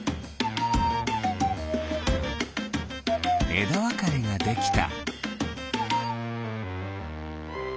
えだわかれができた。